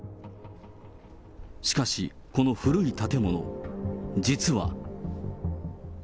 しかし、この古い建物、実は。